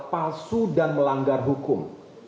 palsu dan melanggar hukum